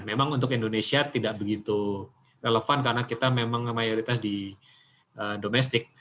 memang untuk indonesia tidak begitu relevan karena kita memang mayoritas di domestik